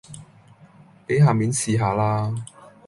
俾下面試下啦